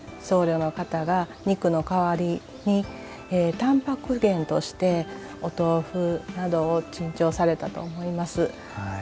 僧侶の方が肉の代わりにたんぱく源としてお豆腐などを珍重されたと思います。